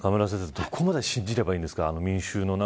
あれ、どこまで信じればいいんですか。